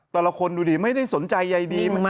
แต่ละคนดูดิไม่ได้สนใจใยดี